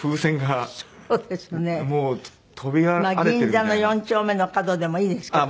銀座の４丁目の角でもいいですけど。